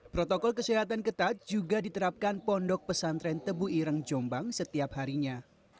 protokol kesehatan ketat juga diterapkan pondok pesantren tebu ireng jombang setiap harinya